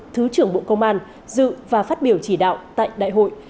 thứ trưởng bộ công an dự và phát biểu chỉ đạo tại đại hội